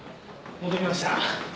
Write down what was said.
戻りました。